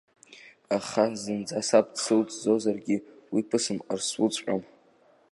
Аха зынӡа саб дсылҵӡозаргьы, уи ԥысымҟар суҵәҟьом.